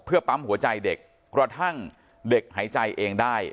เพื่อปั๊มหัวใจเด็กกระทั่งเด็กหายใจเองได้